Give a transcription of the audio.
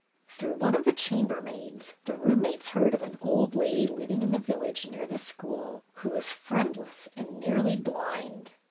Through one of the chamber maids, the roommates heard of an old lady, living in the village near the school, who was friendless and nearly blind.